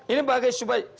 ini pakai supaya